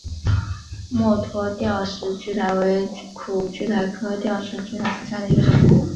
墨脱吊石苣苔为苦苣苔科吊石苣苔属下的一个种。